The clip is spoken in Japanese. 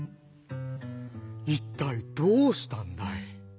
「いったいどうしたんだい？」。